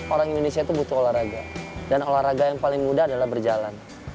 orang indonesia itu butuh olahraga dan olahraga yang paling mudah adalah berjalan